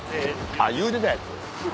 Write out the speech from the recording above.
あっ言うてたやつ？